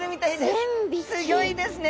すギョいですね。